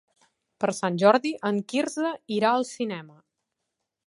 Per Sant Jordi en Quirze irà al cinema.